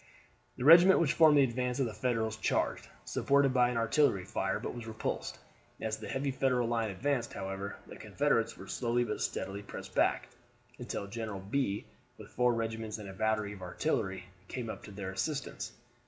The regiment which formed the advance of the Federals charged, supported by an artillery fire, but was repulsed. As the heavy Federal line advanced, however, the Confederates were slowly but steadily pressed back, until General Bee, with four regiments and a battery of artillery, came up to their assistance.